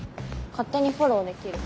勝手にフォローできる。